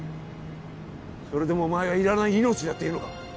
それでもお前はいらない命だっていうのか？